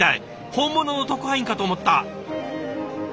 本物の特派員かと思った！